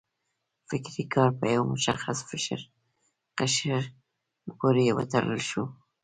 فکري کار په یو مشخص قشر پورې وتړل شو.